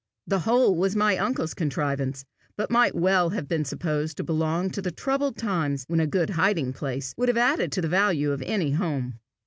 The whole was my uncle's contrivance, but might well have been supposed to belong to the troubled times when a good hiding place would have added to the value of any home.